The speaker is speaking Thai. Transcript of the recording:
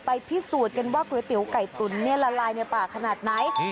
ไปพิสูจน์กันว่าก๋วยเตี๋ยวไก่จุ้นเนี่ยละลายในปากขนาดไหน